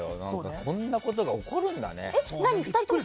こんなことが起こるんだね。